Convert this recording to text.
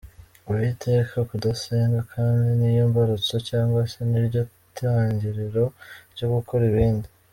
Uwiteka , Kudasenga kandi niyo mbarutso cg se niryo tangiriro ryo gukora ibindi.